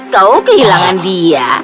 kau kehilangan dia